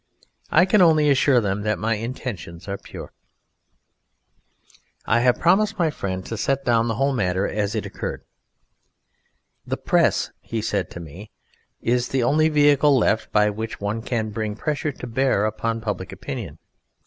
I can only assure them that my intentions are pure. I have promised my friend to set down the whole matter as it occurred. "The Press," he said to me, "is the only vehicle left by which one can bring pressure to bear upon public opinion.